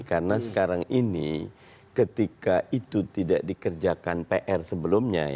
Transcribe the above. karena sekarang ini ketika itu tidak dikerjakan pr sebelumnya